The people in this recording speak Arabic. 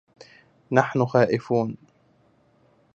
نحن خائفون